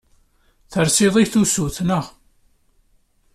Teslid i tusut, naɣ?